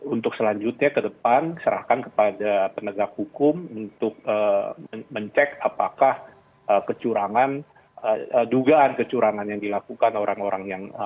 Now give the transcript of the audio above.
untuk selanjutnya ke depan serahkan kepada penegak hukum untuk mencek apakah kecurangan dugaan kecurangan yang dilakukan orang orang yang